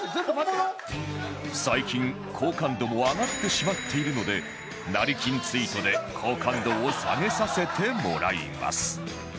最近好感度も上がってしまっているので成り金ツイートで好感度を下げさせてもらいます